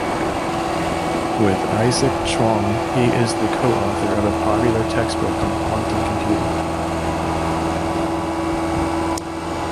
With Isaac Chuang he is the co-author of a popular textbook on quantum computing.